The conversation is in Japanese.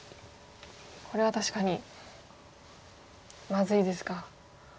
これは確かにまずいですか。